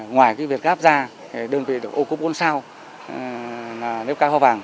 ngoài việc gáp ra đơn vị được ô cú bốn sao là nếp ca hoa vàng